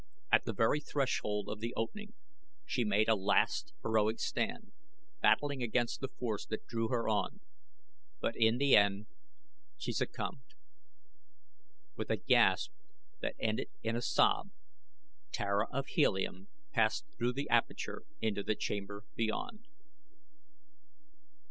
At the very threshold of the opening she made a last, heroic stand, battling against the force that drew her on; but in the end she succumbed. With a gasp that ended in a sob Tara of Helium passed through the aperture into the chamber beyond.